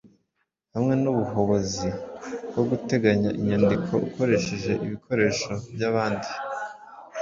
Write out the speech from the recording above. hamwe nubuhobozi bwo guteganya inyandiko ukoreheje ibikoreho byabandi